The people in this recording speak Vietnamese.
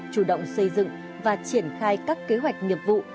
chủ động xây dựng và triển khai các kế hoạch nghiệp vụ